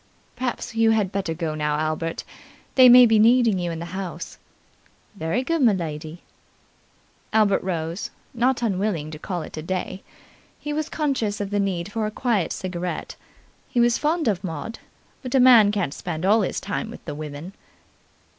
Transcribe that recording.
"Perhaps you had better go now, Albert. They may be needing you in the house." "Very good, m'lady." Albert rose, not unwilling to call it a day. He was conscious of the need for a quiet cigarette. He was fond of Maud, but a man can't spend all his time with the women.